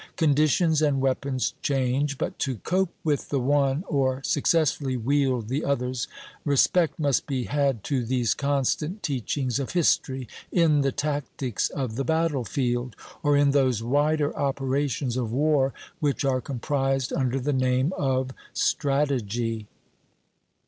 Conditions and weapons change; but to cope with the one or successfully wield the others, respect must be had to these constant teachings of history in the tactics of the battlefield, or in those wider operations of war which are comprised under the name of strategy.